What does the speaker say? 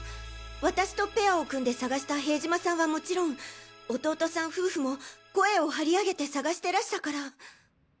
私とペアを組んで捜した塀島さんはもちろん弟さん夫婦も声を張り上げて捜してらしたから。